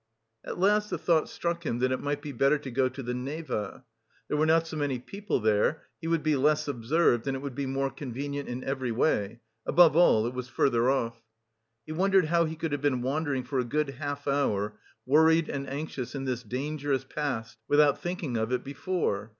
At last the thought struck him that it might be better to go to the Neva. There were not so many people there, he would be less observed, and it would be more convenient in every way, above all it was further off. He wondered how he could have been wandering for a good half hour, worried and anxious in this dangerous past without thinking of it before.